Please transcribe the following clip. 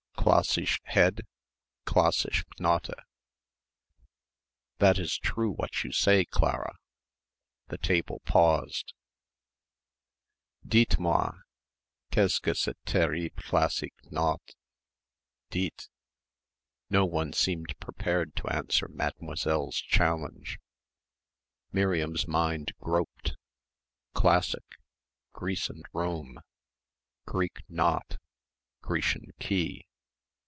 "Classisch head, classisch Knote." "That is true what you say, Clarah." The table paused. "Dîtes moi qu'est ce que ce terrible classique notte? Dîtes!" No one seemed prepared to answer Mademoiselle's challenge. Miriam's mind groped ... classic Greece and Rome Greek knot.... Grecian key